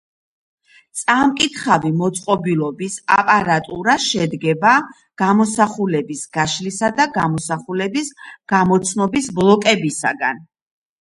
წამკითხავი მოწყობილობის აპარატურა შედგება გამოსახულების გაშლისა და გამოსახულების გამოცნობის ბლოკებისაგან.